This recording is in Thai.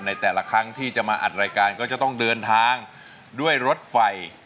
ในแต่ละครั้งที่จะมาอัดรายการก็จะต้องเดินทางด้วยรถไฟ